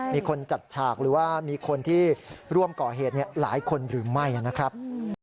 มีคนจัดฉากหรือว่ามีคนที่ร่วมก่อเหตุหลายคนหรือไม่นะครับ